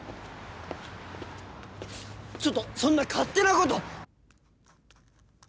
ちょっとそんな勝手なこと！